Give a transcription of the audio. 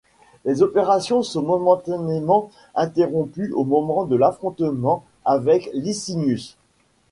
Les opérations sont momentanément interrompues au moment de l'affrontement avec Licinius.